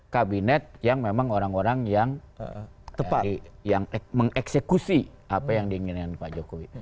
kabinet yang memang orang orang yang mengeksekusi apa yang diinginkan pak jokowi